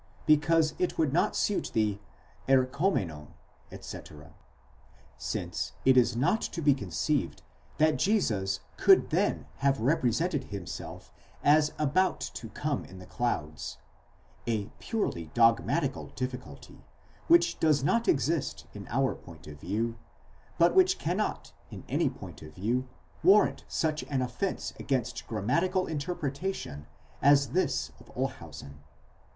because it would not suit ἐρχόμενον x. τ. X., since it is not to be conceived that Jesus could then have represented himself as about to come in the clouds: a purely dogmatical difficulty, which does not exist in our point of view, but which cannot in any point of view warrant such an offence against gram matical interpretation as this of Olshausen.